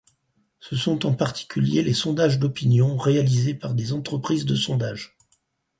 Ce sont en particulier les sondages d'opinion réalisés par des entreprises de sondage.